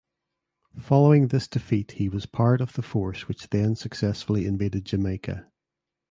Following this defeat he was part of the force which then successfully invaded Jamaica.